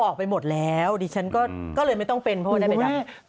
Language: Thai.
ออกไปหมดแล้วดิฉันก็เลยไม่ต้องเป็นเพราะว่าได้เป็นแบบนี้